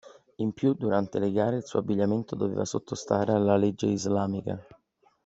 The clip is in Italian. In più, durante le gare il suo abbigliamento doveva sottostare alla legge islamica.